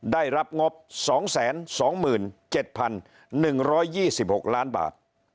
ได้รับงบ๒๒๗๑๒๖ล้านบาท